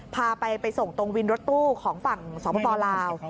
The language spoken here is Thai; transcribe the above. พาไปส่งตรงวินรถตู้ของฝั่งสปลาว